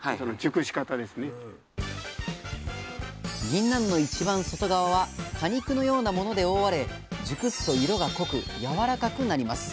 ぎんなんの一番外側は果肉のようなもので覆われ熟すと色が濃くやわらかくなります。